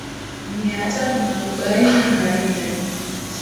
mia tano na arobaini na nne